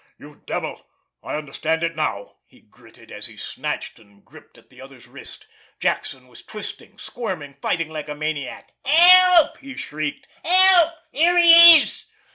"You devil! I understand it now!" he gritted, as he snatched and gripped at the other's wrist. Jackson was twisting, squirming, fighting like a maniac. "Help!" he shrieked. "Help! Here he is!"